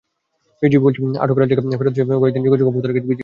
BGB বলছে, আটক রাজ্জাককে ফেরত চেয়ে কয়েক দিন যোগাযোগ অব্যাহত রেখেছে বিজিবি।